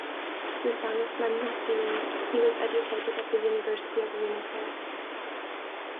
The son of Manley Steen, he was educated at the University of Winnipeg.